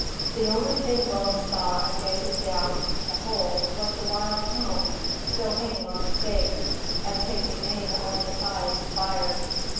The only thing Willem saw on gazing down the hole was the wild hound still hanging on the stake; and taking aim at one of its eyes he fired.